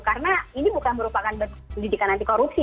karena ini bukan merupakan pendidikan anti korupsi